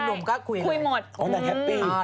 พี่รับเสียงหนุ่มก็คุยหมด